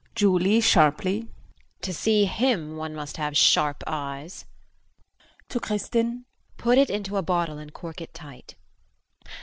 JULIE [Sharply]. To see him one must have sharp eyes. [To Kristin]. Put it into a bottle and cork it tight.